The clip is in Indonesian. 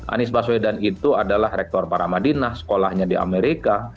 anies baswedan itu adalah rektor para madinah sekolahnya di amerika